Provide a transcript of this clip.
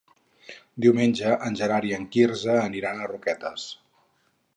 Diumenge en Gerard i en Quirze aniran a Roquetes.